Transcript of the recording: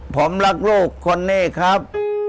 ผมรักลูกคนนี้ครับ